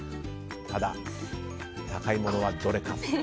ただ、高いものはどれか。